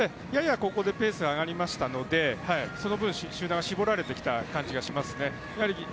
やや、ここでペースが上がりましたのでその分、集団は絞られてきた感じはしますね。